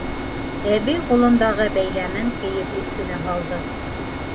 — Әбей ҡулындағы бәйләмен кейеҙ өҫтөнә һалды.